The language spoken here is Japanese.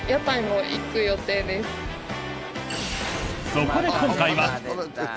そこで今回は。